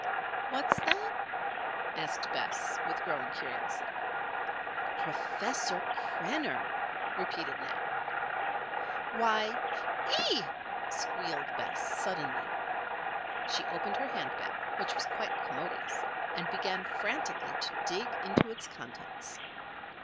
"What's that?" asked Bess, with growing curiosity. "Professor Krenner," repeated Nan. "Why ee!" squealed Bess, suddenly. She opened her hand bag, which was quite commodious, and began frantically to dig into its contents.